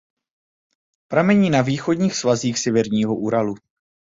Pramení na východních svazích Severního Uralu.